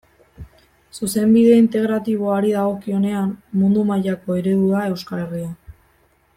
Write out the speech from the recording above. Zuzenbide Integratiboari dagokionean mundu mailako eredu da Euskal Herria.